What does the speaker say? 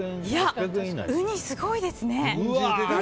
ウニ、すごいですね！